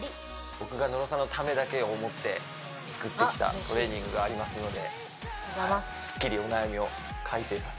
僕が野呂さんのためだけを思って作ってきたトレーニングがありますのであっ嬉しいありがとうございます